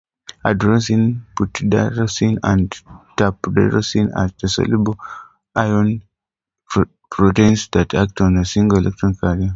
Adrenodoxin, putidaredoxin, and terpredoxin are soluble FeS proteins that act as single electron carriers.